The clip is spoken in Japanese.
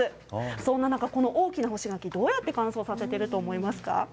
そんな中、この大きな干し柿、どうやって乾燥させていると思いますか。